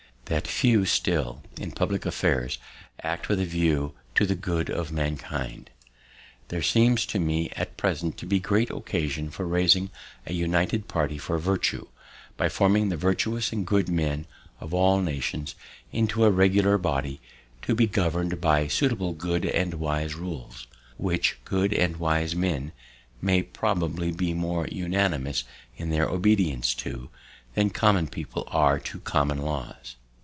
"That fewer still, in public affairs, act with a view to the good of mankind. "There seems to me at present to be great occasion for raising a United Party for Virtue, by forming the virtuous and good men of all nations into a regular body, to be govern'd by suitable good and wise rules, which good and wise men may probably be more unanimous in their obedience to, than common people are to common laws.